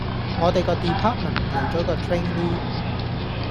我哋個 Department 嚟咗個 Trainee